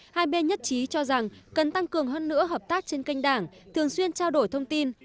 hai bên nhất trí cho rằng cần tăng cường hơn nữa hợp tác trên kênh đảng thường xuyên trao đổi thông tin